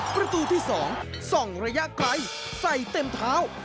ประตูที่๒ส่องระยะไกลใส่เต็มเท้า